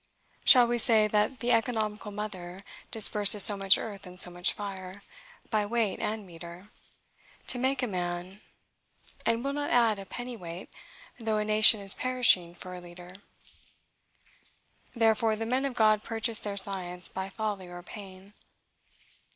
Shall we say, that the economical mother disburses so much earth and so much fire, by weight and metre, to make a man, and will not add a pennyweight, though a nation is perishing for a leader? Therefore, the men of God purchased their science by folly or pain.